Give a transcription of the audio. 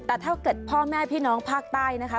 แต่ถ้าเกิดพ่อแม่พี่น้องภาคใต้นะคะ